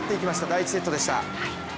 第１セットでした。